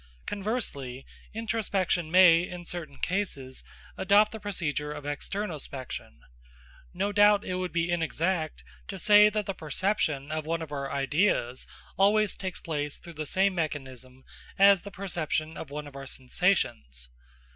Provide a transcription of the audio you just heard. Conversely, introspection may, in certain cases, adopt the procedure of externospection. No doubt it would be inexact to say that the perception of one of our ideas always takes place through the same mechanism as the perception of one of our sensations.